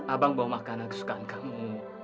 abang bawa makanan kesukaan kamu